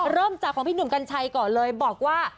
เริ่มจากของพี่หนุ่มกัญชัยก่อนเลยบอกว่า